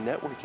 và tất cả